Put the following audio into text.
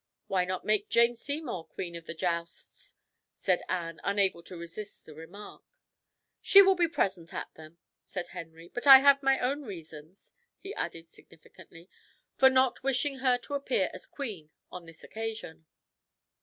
"Why not make Jane Seymour queen of the jousts?" said Anne, unable to resist the remark. "She will be present at them," said Henry, "but I have my own reasons," he added significantly, "for not wishing her to appear as queen on this occasion."